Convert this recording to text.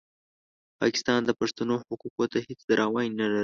پاکستان د پښتنو حقوقو ته هېڅ درناوی نه لري.